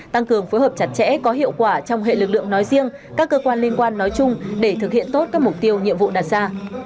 tăng cường phối hợp chặt chẽ có hiệu quả trong hệ lực lượng nói riêng các cơ quan liên quan nói chung để thực hiện tốt các mục tiêu nhiệm vụ đặt ra